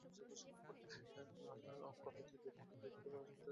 অক্ষয় তৃতীয়ার পূর্ণ তিথিতে রাজপুরীতে একজন সন্ন্যাসীর আবির্ভাব হল।